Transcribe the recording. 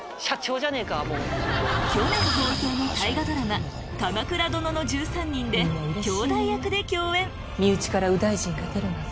去年放送の大河ドラマ『鎌倉殿の１３人』できょうだい役で共演身内から右大臣が出るなんて。